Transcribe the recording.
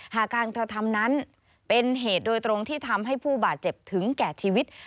หากการกระทำนั้นเป็นเหตุโดยตรงที่ทำให้ผู้บาดเจ็บถึงแก่ชีวิต